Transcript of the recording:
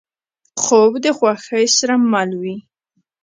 خوب د خوښۍ سره مل وي